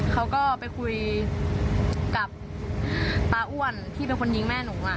เขาก็ไปคุยกับตาอ้วนที่เป็นคนยิงแม่หนู